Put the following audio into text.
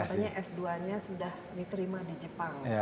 dan katanya s dua nya sudah diterima di jepang